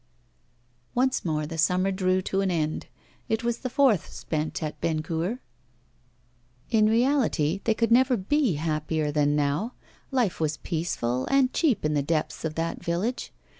Once more the summer drew to an end; it was the fourth spent at Bennecourt. In reality they could never be happier than now; life was peaceful and cheap in the depths of that village.